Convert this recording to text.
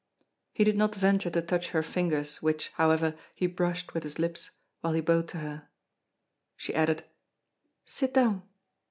He did not venture to touch her fingers, which, however, he brushed with his lips, while he bowed to her. She added: "Sit down."